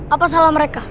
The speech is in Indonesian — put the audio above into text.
apa salah mereka